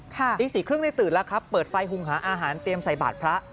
ตี๔๓๐ได้ตื่นแล้วครับเปิดไฟหุงหาอาหารเตรียมใส่บาทพระ